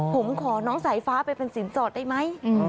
ผมขอน้องสายฟ้าไปเป็นสินสอดได้ไหม